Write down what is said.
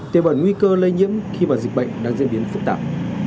tiêu bản nguy cơ lây nhiễm khi mà dịch bệnh đang diễn biến phức tạp